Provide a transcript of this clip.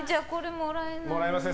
もらえません。